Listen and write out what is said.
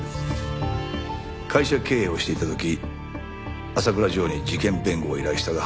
会社経営をしていた時浅倉譲に事件弁護を依頼したが敗訴。